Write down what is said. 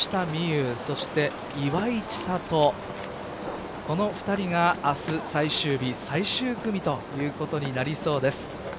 有そして岩井千怜この２人が明日最終日最終組ということになりそうです。